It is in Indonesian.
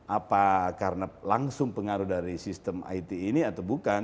apa karena langsung pengaruh dari sistem it ini atau bukan